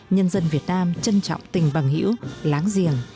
nhân dân việt nam trân trọng tình bằng hữu láng giềng